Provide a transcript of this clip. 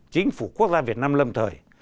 chính phủ quốc gia việt nam lâm thời